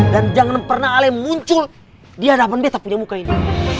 dan jangan pernah ali muncul di hadapan kita punya muka ini